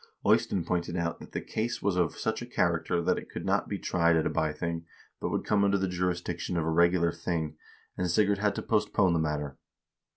Eystein pointed out that the case was of such a character that it could not be tried at a bything, but would come under the jurisdiction of a regular thing, and Sigurd had to postpone the matter.